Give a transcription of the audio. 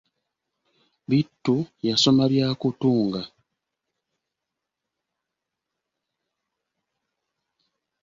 Bittu yali yasoma bya kutunga!